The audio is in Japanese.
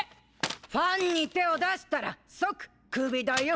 ⁉ファンに手を出したら即クビだよ！